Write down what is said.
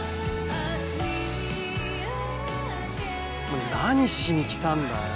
お前何しに来たんだよ？